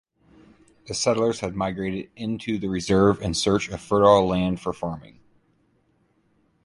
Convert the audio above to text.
The settlers had migrated into the reserve in search of fertile land for farming.